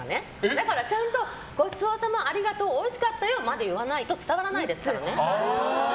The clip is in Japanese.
だから、ちゃんとごちそうさま、ありがとうおいしかったよまで言わないと伝わらないですからね。